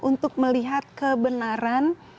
untuk melihat kebenaran